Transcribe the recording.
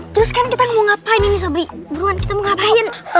terus kan kita mau ngapain ini sobri beruan kita mau ngapain